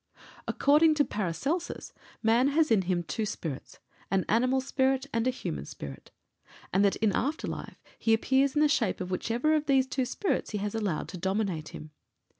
According to Paracelsus Man has in him two spirits an animal spirit and a human spirit and that in after life he appears in the shape of whichever of these two spirits he has allowed to dominate him.